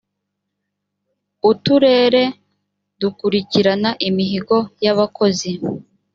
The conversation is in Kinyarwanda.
uturere dukurikirana imihigo y’ abakozi .